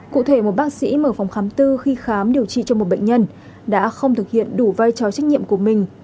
cụ thể một bác sĩ mở phòng khám tư khi khám điều trị cho một bệnh nhân đã không thực hiện đủ vai trò trách nhiệm của mình